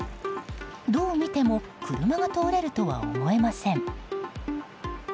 どう見ても車が通れるとは思えません。